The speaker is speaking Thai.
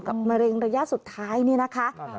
มะเร็งระยะสุดท้ายนี่นะคะ